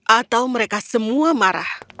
atau mereka semua marah